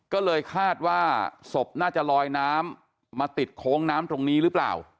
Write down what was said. ก็เลยคาดว่าศพน่าจะลอยน้ำมาติดโค้งน้ำตรงนี้หรือเปล่า